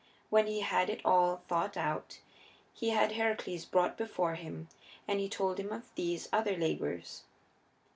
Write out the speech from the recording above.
When he had it all thought out he had Heracles brought before him and he told him of these other labors.